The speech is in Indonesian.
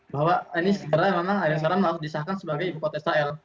bahwa ini memang segera memang akhirnya disahkan sebagai ibu kota israel